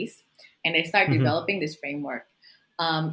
dan kami mulai mengembangkan framework ini